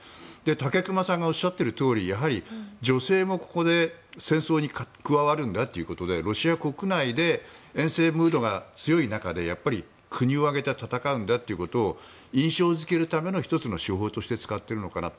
武隈さんがおっしゃっているとおりやはり女性も、ここで戦争に加わるんだということでロシア国内でえん戦ムードが強い中で国を挙げて戦うんだということを印象付けるための１つの手法として使っているのかなと。